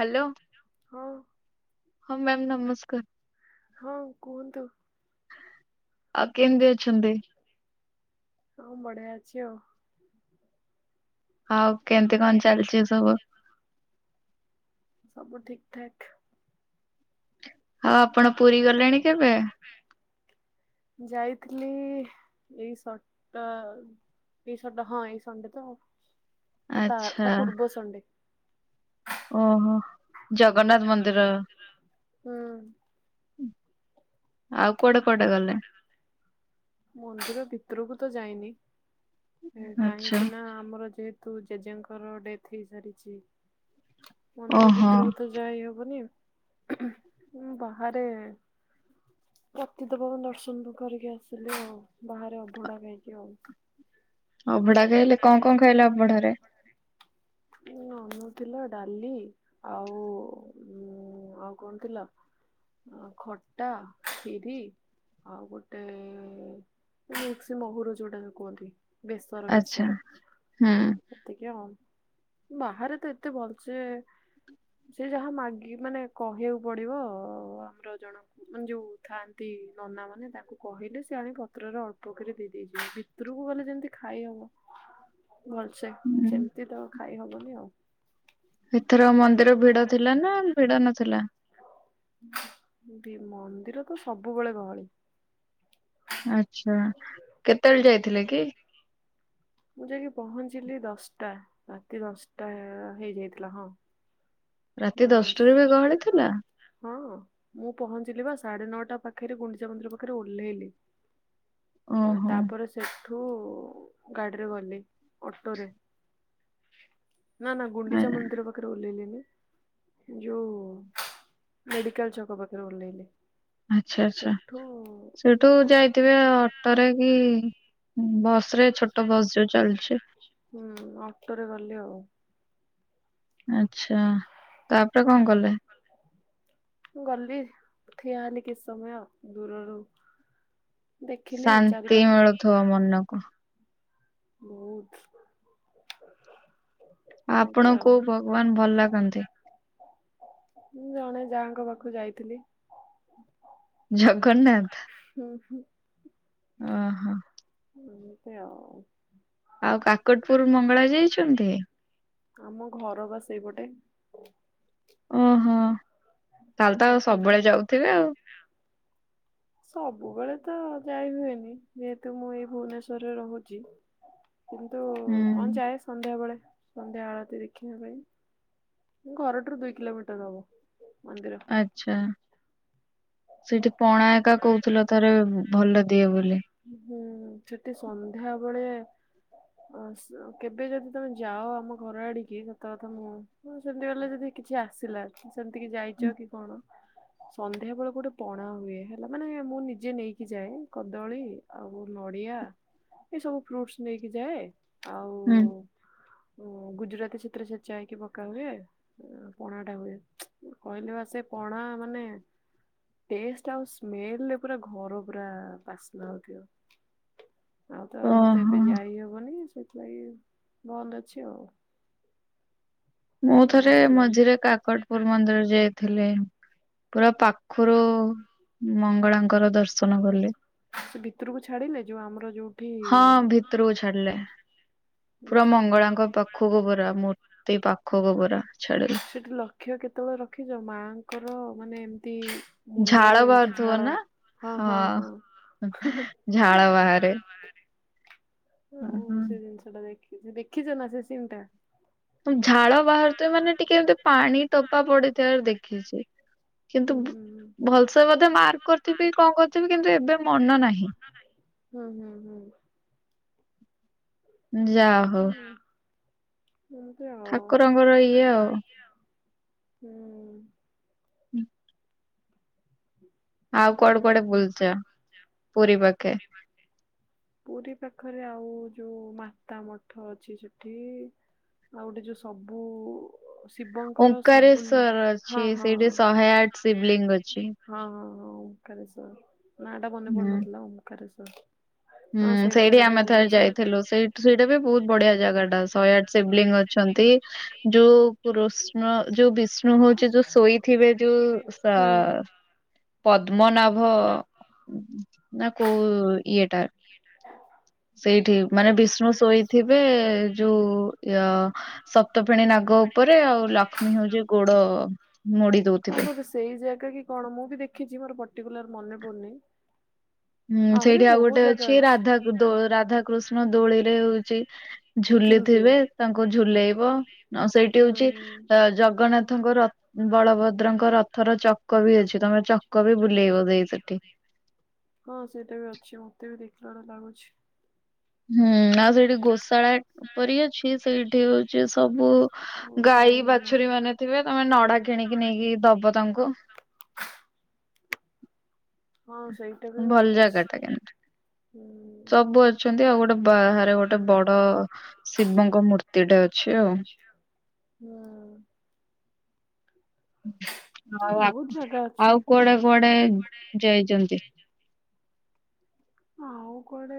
Hello, ହଁ ହଁ ma'am ନମସ୍କାର। ହଁ କୁହନ୍ତୁ। ଆଉ କେମିତି ଅଛନ୍ତି? ବଢିଆ ଅଛି ଆଉ। ଆଉ କେମତି କଣ ଚାଲିଛି ସବୁ? ସବୁ ଠିକ ଠାକ। ଆଉ ଆପଣ ପୁରୀ ଗଲେଣି କେବେ? ଯାଇଥିଲି ଏଇ ସଟ ଏଇ ସନ ହଁ ଏଇ ସଣ୍ଡେ ତ, ଆଚ୍ଛା ତା ପୁର୍ବ ସଣ୍ଡେ। ଓହୋ। ଜଗନ୍ନାଥ ମନ୍ଦିର, ହୁଁ। ଆଉ କୁଆଡେ କୁଆଡେ ଗଲେ? [unintelligible] ମନ୍ଦିର ଭିତରକୁ ତ ଯାଇନି। ଆଚ୍ଛା କାହିଁକି ନା ଆମର ଯେହେତୁ ଜେଜେଙ୍କର ଡେଥ୍ ହେଇସାରିଚି। ମନ୍ଦିର ଓହୋ। ଭିତରକୁ ତ ଯାଇ ହବନିଁ, ବାହାରେ ପତି ଦେବଙ୍କ ଦର୍ଶନ କରିକି ଆସିଲି ଆଉ ବାହାରେ ଅଭଡ଼ା ଖାଇକି ଆଉ। ଅଭଢା ଖାଇଲେ କଁ କଁ ଖାଇଲେ ଅବଢାରେ? ନାନୁ ଥିଲା ଡାଲି ଆଉ ଆଉ କଣ ଥିଲା? ଆ ଖଟା ଖିରି ଆଉ ଗୋଟେ ମିକ୍ସି ମହୂର ଯୋଉଟାରେ କୁହନ୍ତି। ବେସର ଆଚ୍ଛା ବେସର ହୁଁ। ସେତିକି ଆଉ। ବାହାରେ ତ ଏତେ ଭଲସେ ସେ ଯାହା ମାଗି ମାନେ କହିବାକୁ ପଡିବ ଅ ଆମର ଜଣ ମାନେ ଯୋଉ ଥାନ୍ତି ନନା ମାନେ ତାଙ୍କୁ କହିଲେ ସେ ଆଣି ପତ୍ରରେ ଅଳ୍ପ କିରି ଦେଇ ଦେଇଯିବେ। ରୁକୁ ଗଲେ ଯେମିତି ଖାଇହବ। [inaudible] ଭଲସେ ହୁଁ। ସେମ୍ତି ତ ଖାଇ ହବନି ଆଉ। ଭିତର ମନ୍ଦିର ଭିଡ ଥିଲା ନା ଭିଡ ନଥିଲା? ବି ମନ୍ଦିର ତ ସବୁବେଳେ ଗହଳି। ଆଚ୍ଛା, କେତେଳେ ଯାଇଥିଲେ କି? ମୁଁ ଯାଇକି ପହଞ୍ଚିଲି ଦଶଟା ରାତି ଦଶଟା ଏ ହେଇଯାଇଥିଲା ହଁ। ରାତି [unintelligible] ଦଶଟାରେ ବି ଗହଳି ଥିଲା ହଁ ମୁଁ ପହଞ୍ଚିଲି ବା ସାଢେ ନଅଟା ପାଖରେ ଗୁଣ୍ଡିଚା ମନ୍ଦିର ପାଖରେ ଓହ୍ଲେଇଲି। ଏଁ ଓହୋ ତାପରେ ସେଠୁ ଗାଡ଼ିରେ ଗଲି ଅଟୋରେ। ନା ନା ଗୁଣ୍ଡିଚା ମନ୍ଦିର ପାଖରେ ଓଲ୍ହେଇଲି ନି। ଯୋଉ ମେଡିକାଲ ଛକ ପାଖରେ ଓଲ୍ହେଇଲି। ଆଚ୍ଛା ଆଚ୍ଛା, ସେଉଠୁ ଯାଇଥିବେ ଅ ଟରେ କି ବସ ରେ ଛୋଟ ବସ୍ ଯୋଉ ଚାଲୁଛି। ହୁଁ ଅଟରେ ଗଲି ଆଉ। ଆଚ୍ଛା, ତାପରେ କଁ କଲେ? ଗଲି ଠିଆ ହେଲି କିଛି ସମୟ ଦୂରରୁ ଦେଖିଲି ଶାନ୍ତି ଚାରିପାଖ ମିଳୁଥିବ ମନକୁ ବୋହୁତ। ଆପଣଙ୍କୁ ଭଗବାନ ଭଲ ଲାଗନ୍ତି? ମୁଁ ଜଣେ ଯାଆଙ୍କ ପାଖକୁ ଯାଇଥିଲି। ଜଗନ୍ନାଥ। ହୁଁ ହୁଁ। ଓହୋ। ଏମିତି ଆଉ। ଆଉ କାକଟପୁର ମଙ୍ଗଳା ଯାଇଚନ୍ତି? ଆମ ଘର ପା ସେଇପଟେ। ଓହୋ ତାହେଲେ ତ ଆଉ ତାଙ୍କ ସବୁବେଳେ ଯାଉଥିବେ ଆଉ। ସବୁବେଳେ ତ ଯାଇ ହୁଏନି। ଯେହେତୁ ମୁଁ ଏଇ ଭୁବନେଶ୍ଵରରେ ରହୁଚି। କିନ୍ତୁ ହଁ ହୁଁ ଯାଏ ସନ୍ଧ୍ୟାବେଳେ ସନ୍ଧ୍ୟା ଆଳତି ଦେଖିବା ପାଇଁ। ଘରଠାରୁ ଦୁଇ କିଲୋମିଟର ହବ ମନ୍ଦିର। ଆଛା ସେଠି ପଣା ଏକା କୋହୁଥିଲ ଥରେ ଭଲ ଦିଏ ବୋଲି। ହୁଁ ସେଠି ସନ୍ଧ୍ୟାବଳେ ଆସ କେବେ ଯଦି ତମେ ଯାଅ ଆମ ଘର ଆଡିକି ସତ କଥା ମୁଁ ହଁ ସେମିତି ବଲେ ଯଦି କିଛି ଆସିଲା ସେମତି କି ଯାଇଚ କି କଣ ସନ୍ଧ୍ୟା ବେଳେ ଗୋଟେ ପଣା ହୁଏ ହେଲା ମାନେ ମୁଁ ନିଜେ ନେଇକି ଯାଏ କଦଳୀ ଆଉ ନଡିଆ ଏ ସବୁ ଫ୍ରୁଟ୍ସ ନେଇକି ଯାଏ ଆଉ ହୁଁ। ଓ ଗୁଜୁରାତି ସେଥିରେ ଛେଚା ହେଇକି ପକା ହୁଏ। ପଣା ଟା ହୁଏ କହିଲି ପା ସେ ପଣା ମାନେ ଟେଷ୍ଟ ଆଉ ସ୍ମେଲ ପୁରା ଘର ପୁରା ବାସ ଆଉ ଦିଅ ଆଉ ତ ଆମର ତ ଓହୋ ଏବେ ଯାଇ ହବନି। ସେଥିଲାଗି ବନ୍ଦ ଅଛି ଅଉ। ମୁଁ ଥରେ ମସ୍ତ ଲାଗେ ମଝିରେ କାକଟପୁର ମନ୍ଦିର ଯାଇଥିଲି। ପୁରା ପାଖରୁ ମଙ୍ଗଳାଙ୍କର ଦର୍ଶନ କଲି। ସେ ଭିତରକୁ ଛାଡିଲେ ଯୋଉ ଆମର ଯୋଉ ହଁ ଭିତରକୁ ଛାଡିଲେ। ପୁରା ଆଚ୍ଛା ମଙ୍ଗଳାଙ୍କ ପାଖ ଖୁକୁ ପୁରା ମୂର୍ତ୍ତି ପାଖକୁ। ପୁରା ଛାଡିଲେ ସେଠି ଲକ୍ଷ୍ୟ କେତେବେଳେ ରଖିଚ ମାଙ୍କର ମାନେ ଏମତି ଝାଳ ମୁଣ୍ଡରୁ ଏମତି ବାହାରୁଥିବ ଝାଳ ନା ହଁ ହଁ ହଁ। ଝାଳ ବହାରେ। ଆଉ ସେ ଜିନିଷ ଟା ଦେଖି-ଦେଖିଚ ନା ସେ ସିନ ଟା? ଝାଳ ବାହାରୁଥିବେ ମାନେ ଟିକେ ଏମତି ପାଣି ଟୋପା ପଡିଥିବାର ଦେଖିଚି। କିନ୍ତୁ ହୁଁ ହୁଁ ଭଲସେ ବୋଧେ ମାର୍କ କରିଥିବି କଣ କରିଥିବି କିନ୍ତୁ ଏବେ ମନ ନାହିଁ। ହୁଁ ହୁଁ ହୁଁ। ଯାହୋଉ। ଏମିତି ଠାକୁରଙ୍କର ଇଏ ଆଉ ଅଉ। ହୁଁ। ହ ଆଉ କୁଆଡେ କୁଆଡେ ବୁଲଚ ପୁରୀ ପାଖେ? ପୁରୀ ପାଖରେ ଆଉ ଯୋଉ ମାତା ମଠ ଅଛି ସେଠି। ଆଉ ଗୋଟେ ଯୋଉ ସବୁ ଶିବଙ୍କର ସବୁ ଓଙ୍କାରେଶ୍ଵର ଅଛି ହଁ ହଁ। ସେଇଠି ହଁ ଶହେ ଆଠ ଶିବଲିଙ୍ଗ ଅଛି। ହଁ ହଁ ଓମକାରେଶ୍ୱର୍ ନାଁ ଟା ମନେ ହୁଁ। ପଡୁନଥିଲା ଓଁଙ୍କାରେଶ୍ୱର୍। ହୁଁ ସେଇଠି ଆମେ ଥରେ ଯାଇଥିଲୁ ସେଇଟ ସେଇଟା ବି ବହୁତ ବଢିଆ ଜାଗା ଟା ଶହେ ଆଠ ଶିବଲିଙ୍ଗ ଅଛନ୍ତି। ଯୋଉ କୃଷ୍ଣ ଯୋଉ ବିଷ୍ଣୁ ହୋଉଚି ଯୋଉ ଶୋଇଥିବେ ଯୋଉ ସାଆ ହୁଁ ପଦ୍ମନାଭ ନା କୋଉ ଇଏଟା। [inaudible] ସେଇଠି ମାନେ ବିଷ୍ଣୁ ଶୋଇଥିବେ ଯୋଉ ଅ ସପ୍ତ ଫେଣୀ ନାଗ ଉପରେ ଆଉ ଲକ୍ଷ୍ମୀ ହୋଉଚି ଗୋଡ ମୋଡି ହଁ ଦୋଉଥିବେ। ବୋଧେ ସେଇ ଜାଗା କି କଣ ମୁଁ ବି ଦେଖିଛି ମୋର ପର୍ଟିକୁଲାର ମନେ ପଡୁନି। ହୁଁ ଆହୁରି ସେଇଠି ଆଉ ବହୁତ ଗୋଟେ ଜାଗା ଅଛି ରାଧା ଦୋ ରାଧାକୃଷ୍ଣ ଦୋଳି ରେ ହୋଉଚି ଝୁଲୁଥିବେ ଝୁଲିଥିବେ ତାଙ୍କୁ ଝୁଲେଇବ ଆ ସେଇଠି ହୁଁ ହଉଛି ଅ ହୁଁ। ଜଗନ୍ନାଥଙ୍କ ର ବଳଭଦ୍ରଙ୍କ ରଥର ଚକ ବି ଅଛି ତମର ଚକ ବି ବୁଲେଇବ ଦେଇ ସେଠି। ହଁ ସେଟା ବି ଅଛି ମତେ ବି ଦେଖିଲା ଭଳିଆ ଲାଗୁଚି। ହୁଁ ଆଉ ସେଇଠି ଗୋଶାଳା ପରି ଅଛି ସେଇଠି ହଉଛି ସବୁ ହଉ ଗାଈ ଟାଇମ୍ ହେଲାଣି। ବାଛୁରୀ ମାନେ ଥିବେ ତମେ ନଡା କିଣିକି ନେଇକି ଦବ ତାଙ୍କୁ। ହଁ ସେଇଟା ବି ମୁଁ ଭଲ ଦେଖିଛି ଜାଗା ଟା କିଂନ୍ତୁ? ହୁଁ। ସବୁ ଅଛନ୍ତି ଆଉ ଗୋଟେ ବାହାରେ ଗୋଟେ ବଡ ଶିବଙ୍କ ମୂର୍ତ୍ତି ଟା ଅଛି ଆଉ। ହୁଁ। ଆଉ ଆ ବହୁତ ଜାଗା ଅଛି ଆଉ କୁଆଡେ କୁଆଡେ ଯାଇଚନ୍ତି? ଆଉ କୁଆଡେ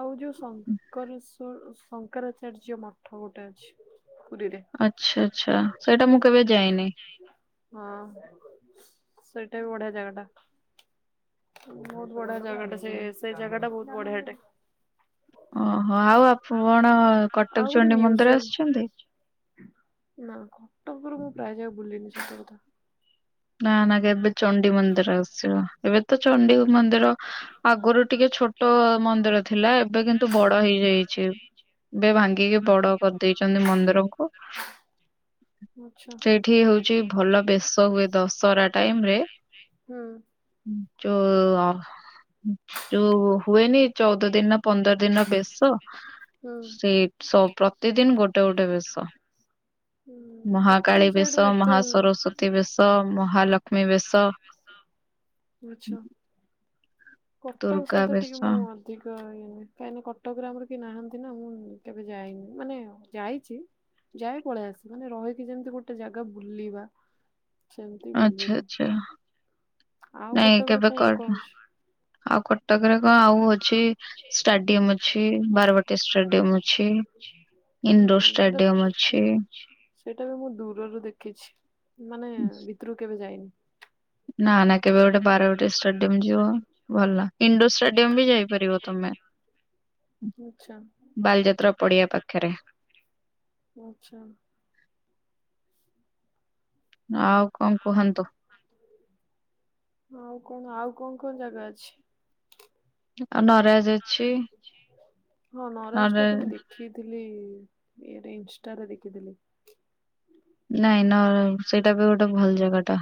ଆଉ ଯୋଉ ସଙ୍କରି ସି କୋ ଶଙ୍କରାଚାର୍ଯ୍ୟ ମଠ ଗୋଟେ ଅଛି ପୁରୀରେ। ଆଚ୍ଛା ଆଚ୍ଛା ସେଇଟା ମୁଁ କେବେ ଯାଇନି। ହଁ ସେଇଟା ବି ବଢିଆ ଜାଗା ଟା। ବୋହୁତ ବଢିଆ ଜାଗା ଟା ସେ ସେଇ ଜାଗା ଟା ବହୁତ ବଢିଆଟେ। ଓହୋ ଆଉ ଆପ ଅଣ କଟକ ଆଉ ଗୋଟେ ଚଣ୍ଡୀ ମନ୍ଦିର ମ୍ୟୁଜିୟମ ଆସିଚନ୍ତି? ନା କଟକରୁ ମୁଁ ପ୍ରାୟ ଯାକ ବୁଲିିନି ସତ କଥା। ନା ନା ଏବେ ଏବେ ଚଣ୍ଡି ମନ୍ଦିର ଆସିବ ଏବେ ତ ଚଣ୍ଡୀ ମନ୍ଦିର ଆଗୁରୁ ଟିକେ ଛୋଟ ମନ୍ଦିର ଥିଲା ଏବେ କିନ୍ତୁ ବଡ ହେଇଯାଇ ଚି ଏବେ ଭାଙ୍ଗିକି ବଡ଼ କରିଦେଇଛନ୍ତି ମନ୍ଦିରକୁ। ଆଚ୍ଛା ସେଇଠି ହଉଚି ଭଲ ବେଶ ହୁଏ। ଦଶହରା ଟାଇମ୍ ରେ। [inaudible] ଚୋ ଅଁ ଯୋଉ ହୁଏନି ଚଉଦ ଦିନି ନା ପନ୍ଦର ଦିନ ବେଶ ହୁଁ। ସେଇ ସ ପ୍ରତିଦିନ ଗୋଟେ ଗୋଟେ ବେଶ। ହୁଁ କଟକ ମହାକାଳୀ ବେଶ ମହା ସରସ୍ଵତୀ ବେଶ ବେଶ ମହାଲକ୍ଷ୍ମୀ ବେଶ ମହାଲକ୍ଷ୍ମୀ ବେଶ ଆଛା। କଟକ ଦୁର୍ଗା ସହିତ ବେଶ ଟିକେ ମୁଁ ଆଁ ଅଧିକ ଇଏ କାହିଁକି ନା କଟକରେ ଆମର କେହି ନାହାନ୍ତି ନା ମୁଁ କେବେ ଯାଇନିମାନେ ଯାଇଚି ଯାଏ ପଳେଇ ଆସେ ମାନେ ରହିକି ଯେମିତି ଗୋଟେ ଜାଗା ବୁଲିବା ସେମିତି ଆଚ୍ଛା ବୁଲିନି ଆଚ୍ଛା ଆଉ ନାଇଁ କଟକରେ କେବେ କୋଉଠି କର କଣ ଆଉ କଟ କଟକରେ ଆଉ କଣ ଆଉ ଅଛି ଷ୍ଟାଡିୟମ ଅଛି ବାରବାଟୀ ଷ୍ଟାଡିୟମ ଅଛି। ଇଣ୍ଡୋର ଷ୍ଟାଡିୟମ ଅଛି। ସେଇଟାକୁ ମୁଁ ଦୂରରୁ ଦେଖିଚି ମାନେ ଭିତରୁ କେବେ ଯାଇନି। ନା ନା କେବେ ଗୋଟେ ବାରବାଟି ଷ୍ଟାଡିୟମ ଯିବ ଭଲ ଇଣ୍ଡୋର ଷ୍ଟାଡିୟମ ବି ଯାଇପାରିବ ତମେ। ଆଛା ବାଲିଯାତ୍ରା ପଡିଆ ବାଲିଯାତ୍ରା ପାଖରେ ପଡ଼ିଆ ପାଖରେ ଆଛା। ଆଉ କଣ କୁହନ୍ତୁ ଆଉ କଣ ଆଉ କଣ କଣ ଜାଗା ଅଛି? ଆଉ ନ ନରାଜ ଅଛି ହଁ ନରାଜ ଟା ତ ମୁଁ ଦେ ଦେଖିଥିଲି ଇଏରେ ଇନଷ୍ଟାରେ ଦେଖିଥିଲି। ନାଇଁ ନ ସେଇଟା ବି ଗୋଟେ ଭଲ ଜାଗା ଟା।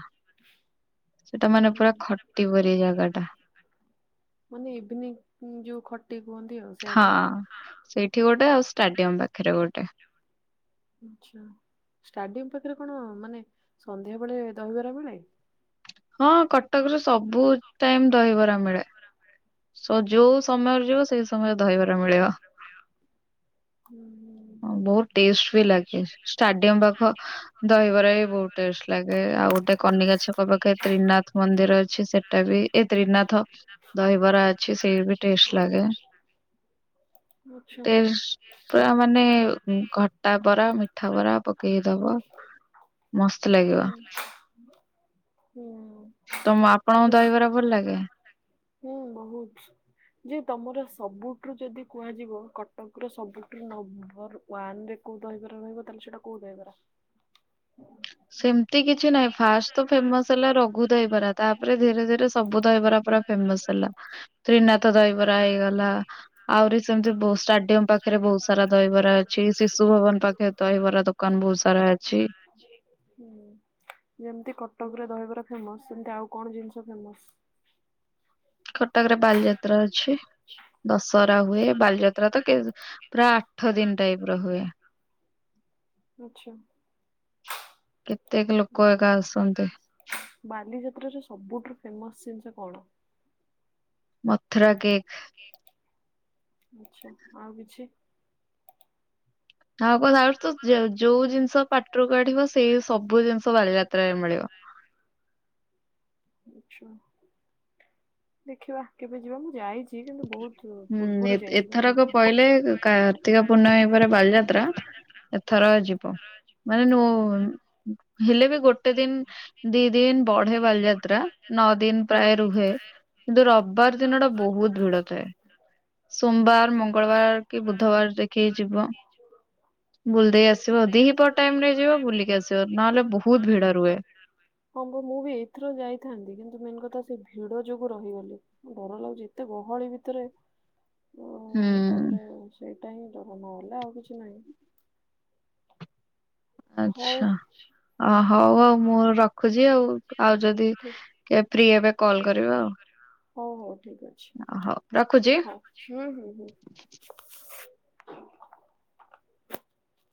ସେଟା ହୁଁ ମାନେ ପୁରା ହୁଁ ଖଟି ପରି ଜାଗା ଟା। ମାନେ ଏଭିନି ଯୋଉ ଖଟି କୁହନ୍ତି ଆଉ। ସେୟା ହଁ ତ ସେଇଠି ଗୋଟେ ଆଉ ଷ୍ଟାଡିୟମ ପାଖରେ ଗୋଟେ।। ଆଛା ଷ୍ଟାଡିଅମ୍ ପାଖରେ କଣ ମାନେ ସନ୍ଧ୍ୟା ବେଳେ ଦହିବରା ମିଳେ? ହଁ କଟକରେ ସବୁ ଟାଇମ ଦହିବରା ମିଳେ। ବରାମବେଳେ ଯୋଉ ସମୟରେ ଯିବ ସେଇ ସମୟରେ ଦହିବରା ମିଳିବ। ହୁଁ ହୁଁ। ହଁ ବୋହୁତ ଟେଷ୍ଟ ବି ଲାଗେ ଷ୍ଟାଡିୟମ ପାଖ ଦହିବରା ବି ବହୁତ ଟେଷ୍ଟ ଲାଗେ ଆଉ ଗୋଟେ କନିକା ଛକ ପାଖେ ତ୍ରିନାଥ। ମନ୍ଦିର ଅଛି ସେଟା ବି ଏ ତ୍ରିନାଥ ଦହିବରା ଅଛି ସେଇ ବି ଟେଷ୍ଟ ଲାଗେ। ହୁଁ। ଟେଷ୍ଟ। ପୁରା ମାନେ ଖଟା ବରା ମିଠା ବରା ପକେଇକି ଦବ। ମସ୍ତ ହୁଁ ଲାଗିବ। ହୁଁ। ତମ ଆପଣଙ୍କୁ ବେଶ ଦହିବରା ଭଲ ଲାଗେ? ହୁଁ ବୋହୁତ। ଯେ ତମର ସବୁଠୁ ଯଦି କୁହାଯିବ କଟକ ର ସବୁଠୁ ନମ୍ବର ୱାନ ରେ କୋଉ ଦହିବରା ରହିବ ତାହେଲେ ସେଇଟା କୋଉ ଦହିବାର? ସେମିତି କିଛିନାହିଁ ଫାଷ୍ଟ ତ ଫ୍ରମେସ ରଗୁ ଦହିବରା ତାପରେ ଧୀରେ ଧିରେ ସେ ସବୁ ଦହିବରା ପୁରା ଫେମସ ହେଲା ତ୍ରିନାଥ ଦହିବରା ହେଇଗଲା ଆହୁରି ସେମିତି ବୋହୁତ ଷ୍ଟାଡିୟମ ପାଖରେ ବୋହୁତ ସାରା ଦହିବରା ଅଛି ଅଛି ଶିଶୁ ଭବନ ପାଖେ ଦହିବରା ଦୋକାନ ବହୁତ ସାରା ଅଛି। ଜି ହୁଁ ଯେମିତି କଟକରେ ଦହିବରା ଫେମସ ସେମିତି ଆଉ କଣ ଜିନିଷ ଫେମସ? କଟକରେ ବାଲିଯା ବାଲି ଯାତ୍ରା ଦଶହରା ହୁଏ ବାଲିଯାତ୍ରା ତ ପୁରା ଆଠ ଦିନ ଟାଇପ ର ହୁଏ। ଆଛା। କେତେକ ଲୋକ ଏ ଗ ଆସନ୍ତି। ବାଲିଯାତ୍ର ରେ ସବୁଠୁ ଫେମସ ଜିନିଷ କଣ? ମଥୁର କେକ୍। ଆଛା ଆଉ କିଛି? [unintelligible] ଯୋଉ ଜିନିଷ ପାଟିରୁ କାଢିବ ସେଇ ସବୁ ଜିନିଷ ବାଲିଯାତ୍ରାରେ ମିଳିବ। ଆଛ ଦେଖିବା କେବେ ଯିବା ମୁଁ ଯାଇଚି। ସିଏ କିନ୍ତୁ ବହୁତ ପୂର୍ବରୁ ଯାଇଚି ମାନେ ଏବେ ହେଲେ କାର୍ତ୍ତିକ ପୂର୍ଣ୍ଣମୀ ପରେ ବାଲିଯାତ୍ରା ଏଥର ଯିବ ମାନେ ନୋ ଫୋନ୍ ହେଲେବି ଗୋ ଗୋଟେ ଦିନ୍ ଦି ଦିନ୍ ବଢେ ବାଲିଯାତ୍ରା ନଅ ଦିନ୍ ପ୍ରାୟ ରୁହେ। କିନ୍ତୁ ରବିବାର ଦିନଟା ବହୁତ୍ ଭିଡ଼ ଥାଏ ସୋମବାର ମଙ୍ଗଳବାର କି ବୁଧବାର ଦେଖିକି ଯିବ। ବୁଲଦେଇ ଆସିବ ଦିପହର ଟାଇମରେ ଯିବ ବୁଲିକି ଆସିବ ନହେଲେ ବହୁତ୍ ଭିଡ଼ ରୁହେ। ହଁ ମୁଁ ବି ଏଇଥିର ଯାଇଥାନ୍ତି କିନ୍ତୁ ମେନ୍ କଥାସେ ଭିଡ଼ ଯୋଗୁ ରହିଗଲି। ଡର ଲାଗୁଚି ଏତେ ଗହଳି ଭିତରେ ଉ ହୁଁ। ତାପରେ ସେଇଟାହିଁ ଡର ନହଲେ ଆଉ କିଛି ନାହିଁ। [inaudible] ହଉ ଆଛା ଅ ହଉ ଆଉ ମୁଁ ରଖୁଛି ଆଉ ଆଉ ଯଦି ଠିକ କେବେ ଫ୍ରି ହେବେ କଲ୍ କରିବେ ଆଉ। ହଉ ହଉ ଠିକ୍ ଅଛି ଅ, ହଉ ରଖୁଛି। ହଁ ହୁଁ ହୁଁ ହୁଁ।